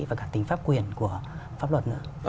và cả tính pháp quyền của pháp luật nữa